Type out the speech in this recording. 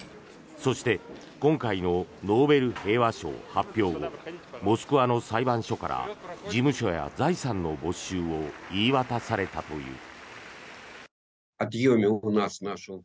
そして今回のノーベル平和賞発表後モスクワの裁判所から事務所や財産の没収を言い渡されたという。